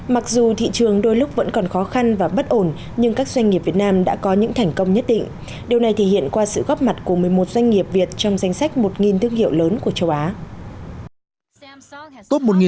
mặc dù thị trường đôi lúc vẫn còn khó khăn và bất ổn nhưng các doanh nghiệp việt nam đã có những thành công nhất định điều này thể hiện qua sự góp mặt của một mươi một doanh nghiệp việt trong danh sách một thương hiệu lớn của châu á